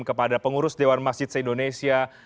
kepada pengurus dewan masjid se indonesia